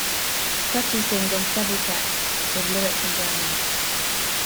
Cretu sings on several tracks, with lyrics in German.